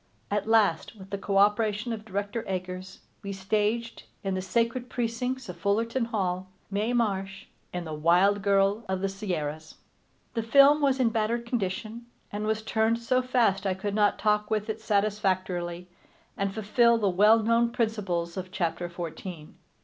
At last, with the cooperation of Director Eggers, we staged, in the sacred precincts of Fullerton Hall, Mae Marsh in The Wild Girl of the Sierras. The film was in battered condition, and was turned so fast I could not talk with it satisfactorily and fulfil the well known principles of chapter fourteen.